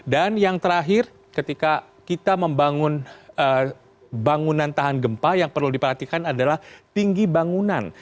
dan yang terakhir ketika kita membangun bangunan tahan gempa yang perlu diperhatikan adalah tinggi bangunan